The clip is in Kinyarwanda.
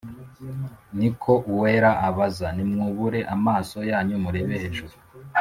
ni ko uwera abaza nimwubure amaso yanyu murebe hejuru